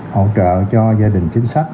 hỗ trợ cho gia đình chính sách